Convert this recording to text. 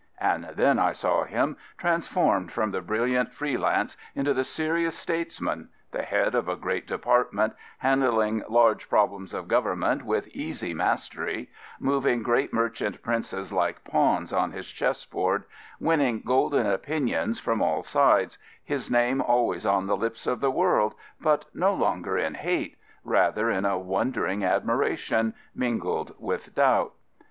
And then I saw him, transformed from the brilliant free lance into the serious states man, the head of a great department, handling large problems of government with easy mastery, moving great merchant princes like pawns on his chess board, winning golden opinions from all sides, his name always on the lips of the world, but no longer in hate — rather in a wondering admiration, mingled with doubt.